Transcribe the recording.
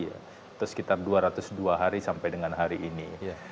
atau sekitar dua ratus dua hari sampai dengan hari ini